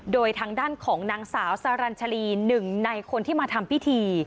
โดยทางด้านของนางสาวสรรชลีหนึ่งในคนที่มาทำพิธี